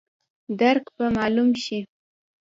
درک به مالوم شي.